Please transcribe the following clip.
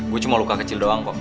gue cuma luka kecil doang kok